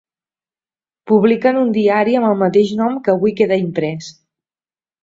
Publiquen un diari amb el mateix nom que avui queda imprès.